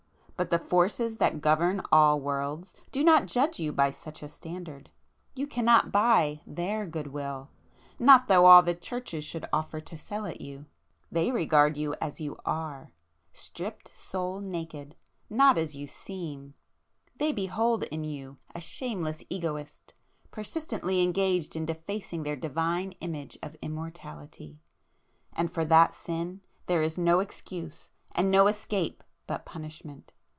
But the Forces that govern all worlds, do not judge you by such a standard,—you cannot buy their good will, not though all the Churches should offer to sell it you! They regard you as you are, stripped soul naked,—not as you seem! They behold in [p 461] you a shameless egoist, persistently engaged in defacing their divine Image of Immortality,—and for that sin there is no excuse and no escape but Punishment.